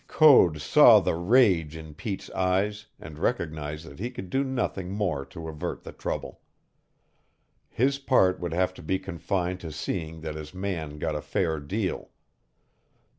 Code saw the rage in Pete's eyes and recognized that he could do nothing more to avert the trouble. His part would have to be confined to seeing that his man got a fair deal.